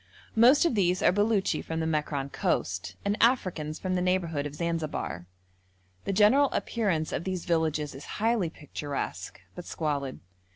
Most of these are Beluchi from the Mekran coast, and Africans from the neighbourhood of Zanzibar. The general appearance of these villages is highly picturesque, but squalid.